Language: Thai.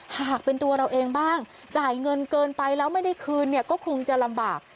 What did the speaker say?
หากเป็นตัวเราเองบ้างจ่ายเงินเกินไปแล้วไม่ได้คืนเนี่ยก็คงจะลำบาก